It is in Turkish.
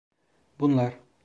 Bunlar...